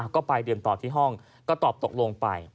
ก็ไปดื่มต่อที่ห้องก็ตอบตกลงไป